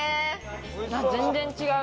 全然違う。